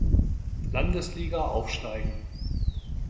Landesliga aufsteigen.